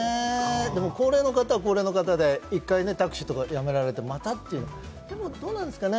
でも、高齢の方は高齢の方で一回タクシーとか辞められて、またってどうなんですかね？